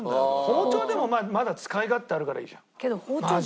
包丁はでもまだ使い勝手あるからいいじゃん。